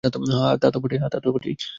হ্যাঁ, তাতো বটেই।